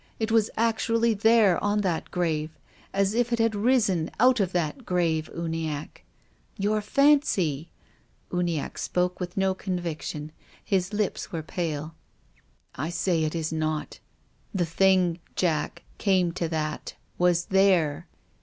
It was actually there on that grave, as if it had risen out of that grave, Uniacke." " Your fancy." Uniacke spoke with no conviction, and his lips were pale. " I say it is not. The thing — Jack, come to that !— was there.